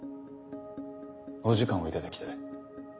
お時間を頂きたい。